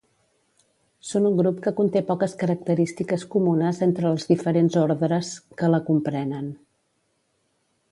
Són un grup que conté poques característiques comunes entre els diferents ordres que la comprenen.